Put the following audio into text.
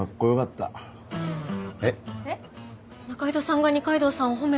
えっ？仲井戸さんが二階堂さんを褒めた。